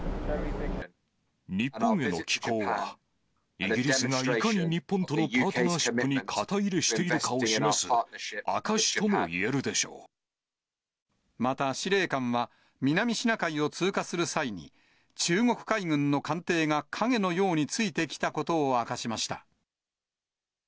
日本への寄港は、イギリスがいかに日本とのパートナーシップに肩入れしているかをまた司令官は、南シナ海を通過する際に、中国海軍の艦艇が影のようについてきたことを明かしました。